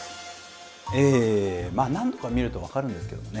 何度か見るとわかるんですけどね